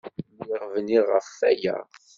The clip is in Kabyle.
Lliɣ bniɣ ɣef waya!